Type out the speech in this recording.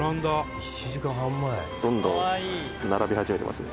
「どんどん並び始めてますね」